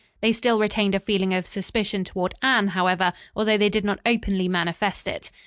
They still retained a feeling of suspicion toward Anne, however, although they did not openly manifest it.